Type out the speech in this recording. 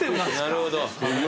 なるほど。